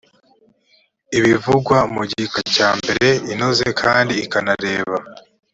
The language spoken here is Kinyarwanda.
ibivugwa mu gika cya mbere inoze kandi ikanareba